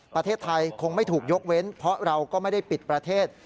ประเทศไทยคงไม่ถูกยกเว้นเพราะเราก็ไม่ได้ปิดประเทศ